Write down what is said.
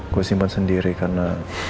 gue simpan sendiri karena